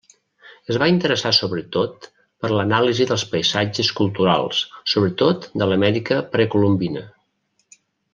Es va interessar sobretot per l'anàlisi dels paisatges culturals, sobretot de l’Amèrica precolombina.